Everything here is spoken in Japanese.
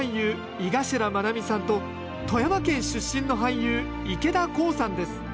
井頭愛海さんと富山県出身の俳優池田航さんです。